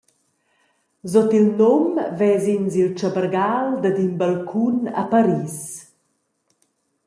Sut il num ves’ins il tschabergal dad in balcun a Paris.